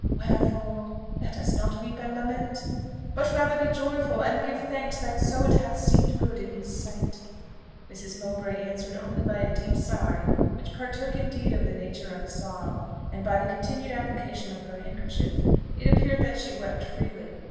Wherefore, let us not weep and lament, but rather be joyful and give thanks that so it hath seemed good in his sight!" Mrs. Mowbray answered only by a deep sigh, which partook indeed of the nature of a sob; and by the continued application of her handkerchief, it appeared that she wept freely.